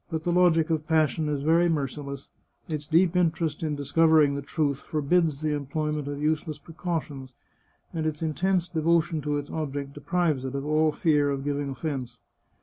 But the logic of pas sion is very merciless; its deep interest in discovering the truth forbids the employment of useless precautions, and its intense devotion to its object deprives it of all fear of giv ing offence.